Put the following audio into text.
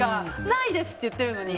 ないですって言ってるのに。